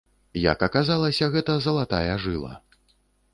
Як аказалася, гэта залатая жыла!